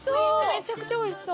めちゃくちゃおいしそう！